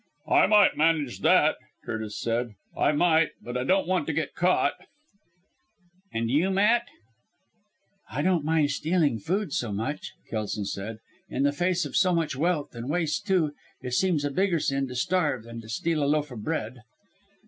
"I might manage that," Curtis said. "I might but I don't want to get caught." "And you, Matt?" "I don't mind stealing food so much," Kelson said. "In the face of so much wealth and waste too it seems a bigger sin to starve than to steal a loaf of bread."